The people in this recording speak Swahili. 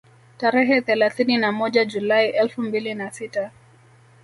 Tarehe thelathini na moja Julai elfu mbili na sita